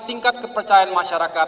tingkat kepercayaan masyarakat